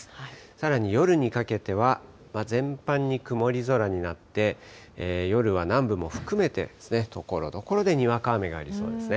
さらに夜にかけては、全般に曇り空になって、夜は南部も含めてですね、ところどころでにわか雨がありそうですね。